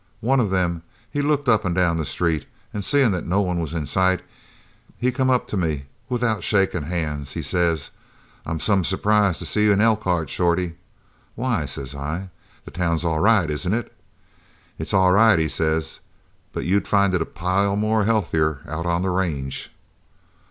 One of them, he looked up an' down the street, an' seein' that no one was in sight, he come up to me an' without shakin' hands he says: 'I'm some surprised to see you in Elkhead, Shorty.' 'Why,' says I, 'the town's all right, ain't it?' 'It's all right,' he says, 'but you'd find it a pile more healthier out on the range.'"